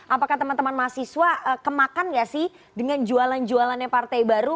apakah teman teman mahasiswa kemakan nggak sih dengan jualan jualannya partai baru